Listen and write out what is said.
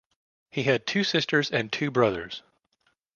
He had two sisters and two brothers.